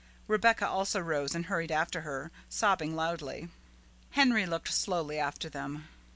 Rebecca also rose and hurried after her, sobbing loudly. Henry looked slowly after them.